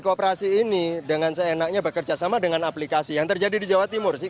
tapi kooperasi ini dengan seenaknya bekerjasama dengan aplikasi yang terjadi di jawa timur sih